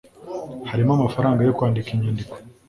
Harimo amafaranga yo kwandika inyandiko